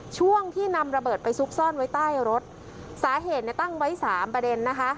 ช่วงที่นำระเบิดไปซุกซ่อนไว้ใต้รถสาเหตุเนี่ยตั้งไว้สามประเด็นนะคะ